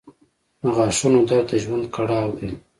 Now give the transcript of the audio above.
• د غاښونو درد د ژوند کړاو دی.